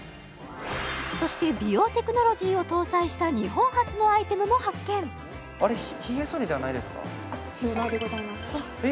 そして美容テクノロジーを搭載した日本初のアイテムも発見シェーバーでございますえ！